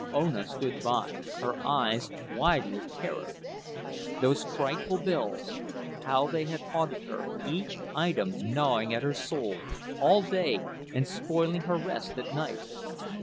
Ona stood by, her eyes wide with terror. Those frightful bills—how they had haunted her, each item gnawing at her soul all day and spoiling her rest at night.